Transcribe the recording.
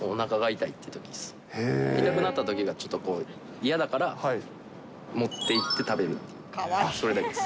痛くなったときがちょっと嫌だから、もっていって食べるっていうそれだけです。